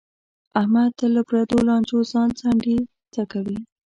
احمد تل له پردیو لانجو ځان څنډې ته کوي.